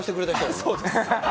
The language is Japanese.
そうです。